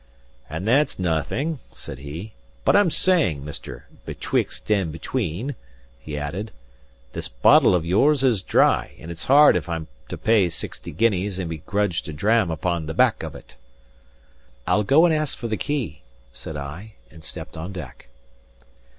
"And that's naething," said he. "But I'm saying, Mr. Betwixt and Between," he added, "this bottle of yours is dry; and it's hard if I'm to pay sixty guineas and be grudged a dram upon the back of it." "I'll go and ask for the key," said I, and stepped on deck.